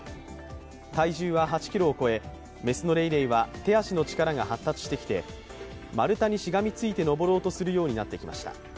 体重は８ｋｇを超え雌のレイレイは手足の力が発達してきて丸太にしがみついて登ろうとするようになってきました。